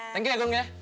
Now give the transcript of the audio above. thank you ya gung ya